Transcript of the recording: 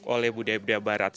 oleh budaya budaya berbeda